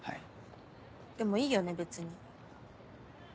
でもいいよね別に。